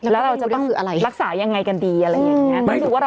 แล้วเราจะต้องรักษายังไงกันดีอะไรอย่างนี้